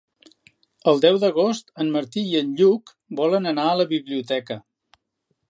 El deu d'agost en Martí i en Lluc volen anar a la biblioteca.